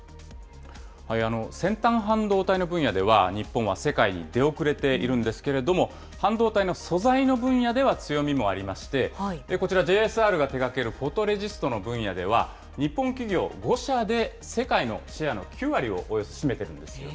先端半導体の分野では、日本は世界に出遅れているんですけれども、半導体の素材の分野では強みもありまして、こちら、ＪＳＲが手がけるフォトレジストの分野では、日本企業５社で世界のシェアの９割をおよそ占めているんですよね。